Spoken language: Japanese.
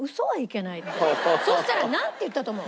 そしたらなんて言ったと思う？